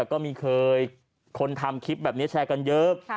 ก็มีเคยคนทำคลิปแบบนี้แชร์กันเยอะ